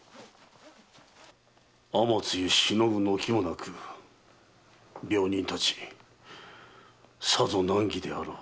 雨露しのぐ軒もなく病人たちさぞ難儀であろう。